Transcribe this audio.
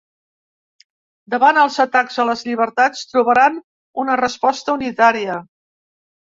Davant els atacs a les llibertats trobaran una resposta unitària.